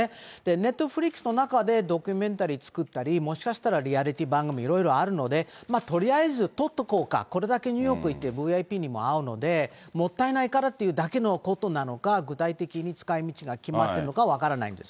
ネットフリックスの中で、ドキュメンタリー作ったり、もしかしたらリアリティー番組、いろいろあるので、とりあえずとっとこうか、これだけニューヨーク行って、ＶＩＰにも会うので、もったいないからっていうだけのことなのか、具体的に使い道が決まっているのか、分からないです。